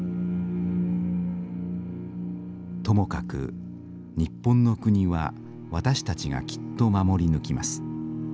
「ともかく日本の国は私たちがきっと守り抜きます。